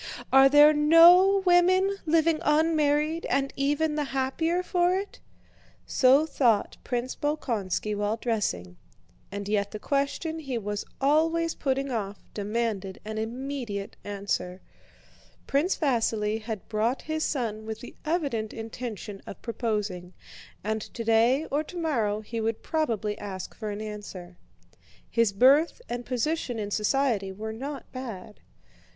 Are there no women living unmarried, and even the happier for it?" So thought Prince Bolkónski while dressing, and yet the question he was always putting off demanded an immediate answer. Prince Vasíli had brought his son with the evident intention of proposing, and today or tomorrow he would probably ask for an answer. His birth and position in society were not bad.